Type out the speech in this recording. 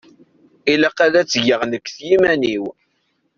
Ilaq ad t-geɣ nekk s yiman-iw.